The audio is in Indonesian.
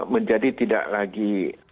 menjadi tidak lagi berdiri